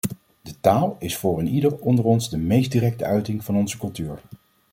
De taal is voor eenieder onder ons de meest directe uiting van onze cultuur.